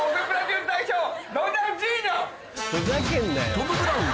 「トム・ブラウン」